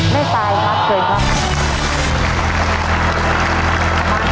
ไม่ตายครับเคยครับ